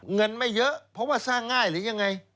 เงินไม่เยอะเพราะว่าสร้างง่ายหรือยังไง